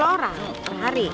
sepuluh orang per hari